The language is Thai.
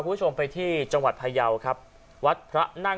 ลายไปที่บรินัทชาวบาล